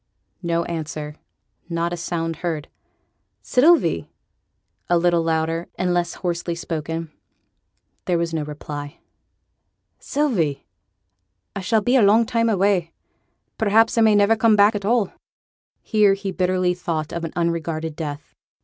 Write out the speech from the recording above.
No answer. Not a sound heard. 'Sylvie!' (a little louder, and less hoarsely spoken). There was no reply. 'Sylvie! I shall be a long time away; perhaps I may niver come back at all'; here he bitterly thought of an unregarded death.